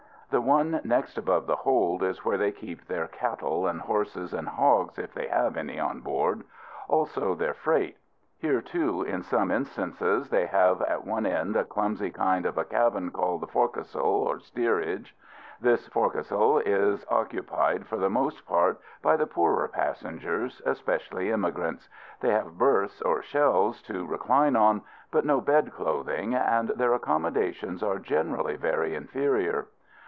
The one next above the hold is where they keep their cattle and horses and hogs, if they have any on board; also their common freight. Here, too, in some instances, they have at one end a clumsy kind of cabin called the forecastle, or steerage. This forecastle is occupied, for the most part, by the poorer passengers, especially emigrants. They have berths or shelves to recline on, but no bed clothing; and their accommodations are generally very inferior.